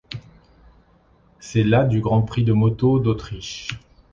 C'est la du Grand Prix moto d'Autriche.